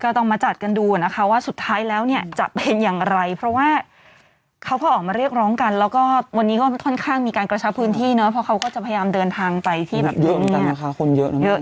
ต้องมาจัดกันดูนะคะว่าสุดท้ายแล้วเนี่ยจะเป็นอย่างไรเพราะว่าเขาก็ออกมาเรียกร้องกันแล้วก็วันนี้ก็ค่อนข้างมีการกระชับพื้นที่เนอะเพราะเขาก็จะพยายามเดินทางไปที่แบบเยอะเหมือนกันนะคะคนเยอะนะเยอะ